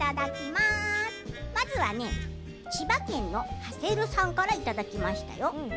まずは千葉県の方からいただきましたよ。